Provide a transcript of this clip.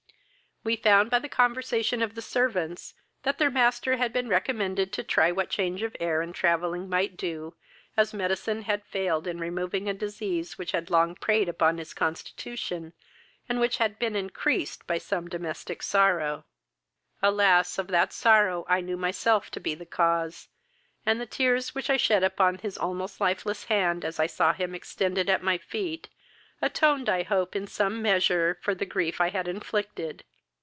"We found, by the conversation of the servants, that their master had been recommended to try what change of air and travelling might do, as medicine had failed in removing a disease which had long preyed upon his constitution, and which had been increased by some domestic sorrow. "Alas! of that sorrow I knew myself to be the cause, and the tears, which I shed upon his almost lifeless hand, as I saw him extended at my feet, atoned I hope, in some measure, for the grief I had inflicted.